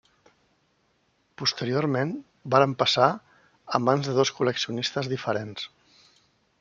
Posteriorment varen passar a mans de dos col·leccionistes diferents.